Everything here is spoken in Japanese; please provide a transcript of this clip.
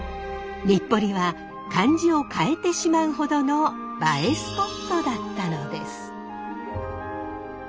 日暮里は漢字を変えてしまうほどの映えスポットだったのです。